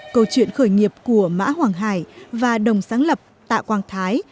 câu chuyện khởi nghiệp của mã hoàng hải và đồng sáng lập tạ quang thái